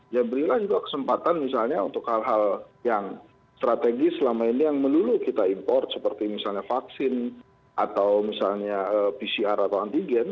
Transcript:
ya berilah juga kesempatan misalnya untuk hal hal yang strategis selama ini yang melulu kita import seperti misalnya vaksin atau misalnya pcr atau antigen